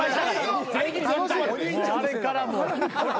あれからもう。